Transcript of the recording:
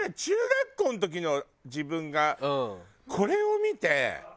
中学校の時の自分がこれを見て。